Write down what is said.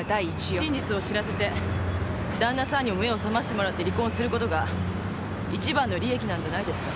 真実を知らせて旦那さんにも目を覚ましてもらって離婚することがいちばんの利益なんじゃないですか？